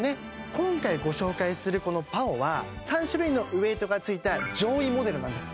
今回ご紹介するこのＰＡＯは３種類のウエイトがついた上位モデルなんです